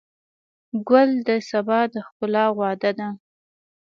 ګل د سبا د ښکلا وعده ده.